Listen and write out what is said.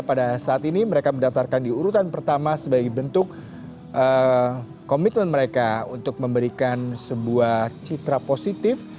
pada saat ini mereka mendaftarkan di urutan pertama sebagai bentuk komitmen mereka untuk memberikan sebuah citra positif